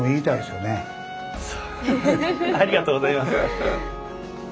そうありがとうございます。